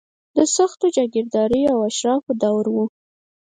د سختو جاګیرداریو او اشرافو دور و.